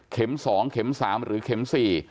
เข็มสองเข็มสามหรือเข็มสี่